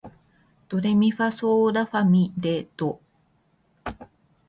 ドレミファソーラファ、ミ、レ、ドー